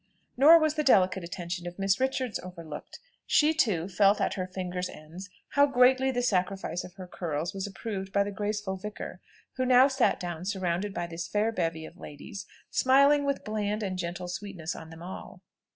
Nor was the delicate attention of Miss Richards overlooked. She, too, felt at her fingers' ends how greatly the sacrifice of her curls was approved by the graceful vicar, who now sat down surrounded by this fair bevy of ladies, smiling with bland and gentle sweetness on them all.